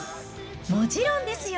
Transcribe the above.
もちろんですよ。